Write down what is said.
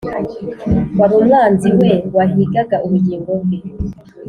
Wari umwanzi we wahigaga ubugingo bwe